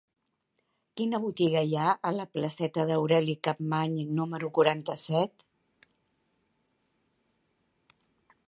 Quina botiga hi ha a la placeta d'Aureli Capmany número quaranta-set?